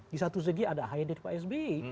di satu segi ada ahy dari pak sby